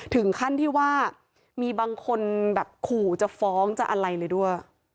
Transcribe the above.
ถึงขั้นที่ว่ามีบางคนแบบขู่จะฟ้องจะอะไรเลยด้วย